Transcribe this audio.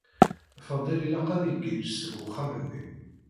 Faḍil ilaq ad igiǧǧ seg uxxam-nni.